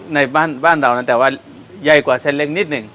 ในบ้านเราแต่ว่าใหญ่กว่าเส้นเล็กนิดนึง